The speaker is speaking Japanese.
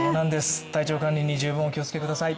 体調管理に十分お気をつけください。